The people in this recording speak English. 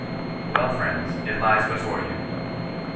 * Well, friends, it lies before you.'